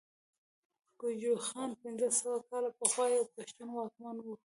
ګجوخان پنځه سوه کاله پخوا يو پښتون واکمن وو